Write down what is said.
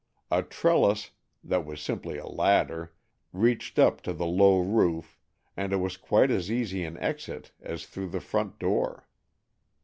A trellis, that was simply a ladder, reached up to the low roof, and it was quite as easy an exit as through the front door.